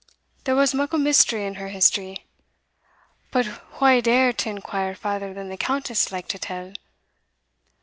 There was muckle mystery in her history, but wha dared to inquire farther than the Countess liked to tell?